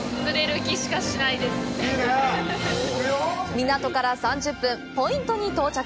港から３０分、ポイントに到着。